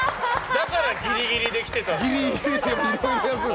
だからギリギリで来てたんだ。